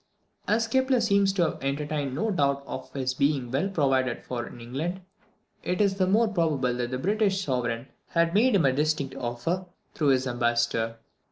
As Kepler seems to have entertained no doubt of his being well provided for in England, it is the more probable that the British Sovereign had made him a distinct offer through his ambassador.